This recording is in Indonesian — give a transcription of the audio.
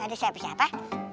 gak ada siapa siapa